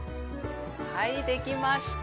はいできました。